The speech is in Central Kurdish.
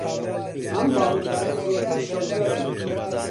ئەم باڵندانە زۆرتر شەوگەڕن